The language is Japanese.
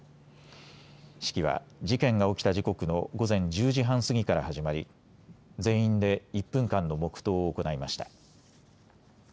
式は事件が起きた時刻の午前１０時半過ぎから始まり全員で１分間の黙とうを行いました。